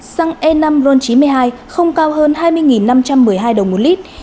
xăng e năm ron chín mươi hai không cao hơn hai mươi năm trăm một mươi hai đồng một lít